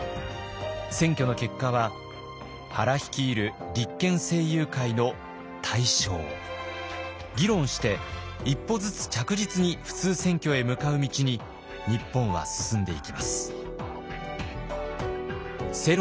選挙の結果は原率いる立憲政友会の大勝。議論して一歩ずつ着実に普通選挙へ向かう道に日本は進んでいきます。